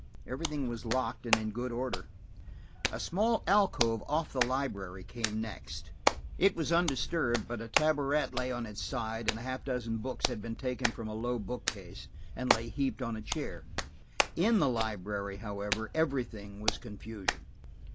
Everything was locked and in good order. A small alcove off the library came next; it was undisturbed, but a tabouret lay on its side, and a half dozen books had been taken from a low book case, and lay heaped on a chair. In the library, however, everything was confusion.